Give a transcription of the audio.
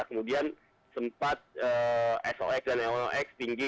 kemudian sempat sox dan lox tinggi